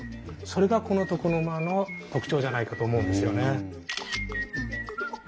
それがこの床の間の特徴じゃないかと思うんですよね。